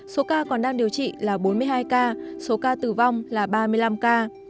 số ca còn đang điều trị là bốn mươi hai ca số ca tử vong là ba mươi năm ca